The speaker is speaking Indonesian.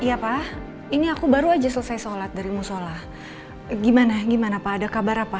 hai apa ini aku baru aja selesai sholat dari musola gimana gimana pak ada kabar apa